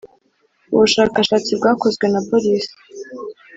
ubashakashatsi bwakozwe na boris